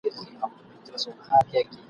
ترې يې وپوښتې كيسې د عملونو !.